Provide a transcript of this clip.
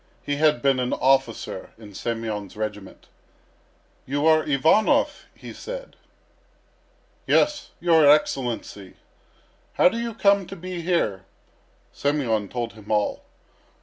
He had been an officer in Semyon's regiment. "You are Ivanov?" he said. "Yes, your Excellency." "How do you come to be here?" Semyon told him all.